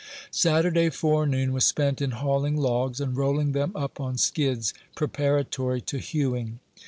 Saturday forenoon was spent in hauling logs, and rolling them up on skids, preparatory to hewing.